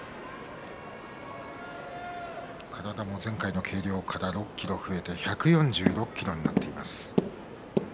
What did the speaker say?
体も前回の計量から６ｋｇ増えて１４６ｋｇになっています。